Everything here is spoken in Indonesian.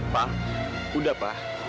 pak udah pa